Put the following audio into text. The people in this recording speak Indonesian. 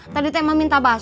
tadi tema minta basok